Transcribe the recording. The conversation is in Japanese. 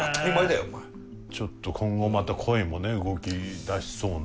ちょっと今後また恋もね動き出しそうな。